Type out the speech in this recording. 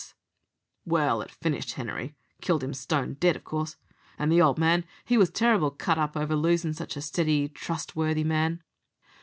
"Good gracious!" "Well, it finished Henery, killed him stone dead, of course, and the old man he was terrible cut up over losin' such a steady, trustworthy man.